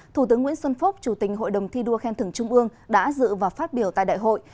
thủ tướng nguyễn xuân phúc chủ tình hội đồng thi đua khen thưởng trung ương đã dự và phát biểu tại đại hội